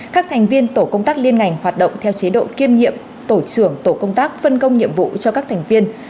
các thành viên tổ công tác liên ngành hoạt động theo chế độ kiêm nhiệm tổ trưởng tổ công tác phân công nhiệm vụ cho các thành viên